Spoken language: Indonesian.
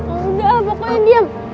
udah pokoknya diam